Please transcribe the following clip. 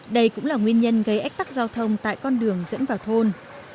đây cũng là nguyên nhân gây ách tắc giao thông tại con đường dẫn vào thôn